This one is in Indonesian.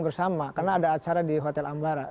bersama karena ada acara di hotel ambara